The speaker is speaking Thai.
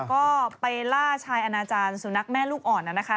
ก็ไปล่าชายอนาจารย์สุนัขแม่ลูกอ่อนนะคะ